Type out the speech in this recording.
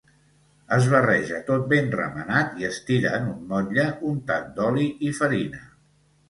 Es barreja tot ben remenat i es tira en un motlle untat d'oli i farina.